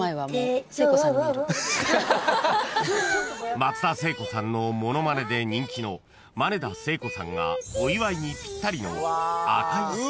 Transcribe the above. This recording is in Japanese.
［松田聖子さんのモノマネで人気のまねだ聖子さんがお祝いにぴったりの］